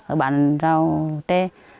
ở bản rào tre